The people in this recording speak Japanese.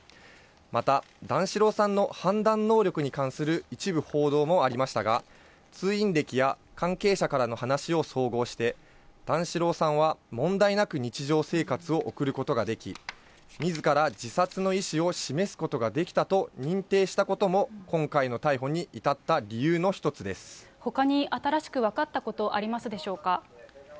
また段四郎さんの判断能力に関する一部報道もありましたが、通院歴や関係者からの話を総合して、段四郎さんは問題なく日常生活を送ることができ、みずから自殺の意思を示すことができたと認定したことも今回の逮ほかに新しく分かったこと、ありますでしょうか。